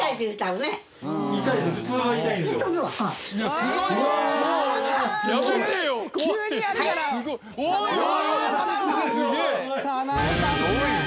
すごいな。